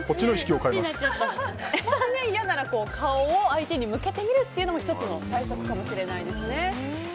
もし嫌なら顔を相手に向けてみるというのも１つの対策かもしれないですね。